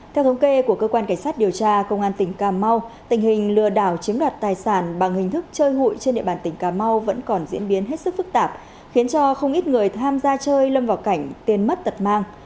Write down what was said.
theo thống kê của cơ quan cảnh sát điều tra công an tỉnh cà mau tình hình lừa đảo chiếm đoạt tài sản bằng hình thức chơi hụi trên địa bàn tỉnh cà mau vẫn còn diễn biến hết sức phức tạp khiến cho không ít người tham gia chơi lâm vào cảnh tiền mất tật mang